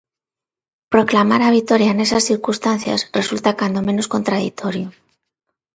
Proclamar a vitoria nesas circunstancias resulta cando menos contraditorio.